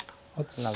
ツナぐ